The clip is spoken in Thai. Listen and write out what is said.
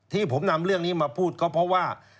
ที่ผมนำเรื่องนี้มาพูดก็เพราะว่า